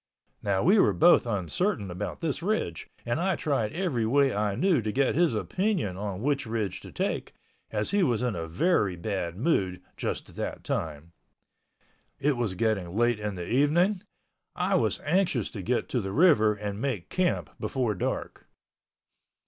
Now we were both uncertain about this ridge and I tried every way I knew to get his opinion on which ridge to take, as he was in a very bad mood just at that time. It was getting late in the evening. I was anxious to get to the river and make camp before dark.